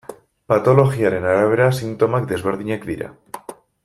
Patologiaren arabera sintomak desberdinak dira.